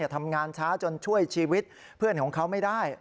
ทำงานช้าจนช่วยชีวิตเพื่อนของเขาไม่ได้